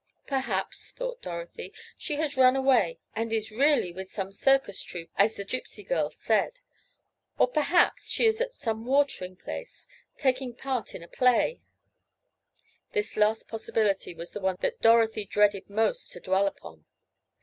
"Perhaps," thought Dorothy, "she has run away and is really with some circus troupe, as the Gypsy girl said. Or perhaps she is at some watering place, taking part in a play—" This last possibility was the one that Dorothy dreaded most to dwell upon.